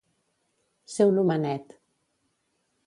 Ser un homenet.